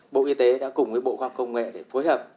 bộ y tế đã cùng với bộ khoa công nghệ để phối hợp